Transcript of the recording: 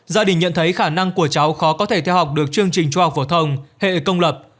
gia đình nhận thấy khả năng của cháu khó có thể theo học được chương trình trung học phổ thông hệ công lập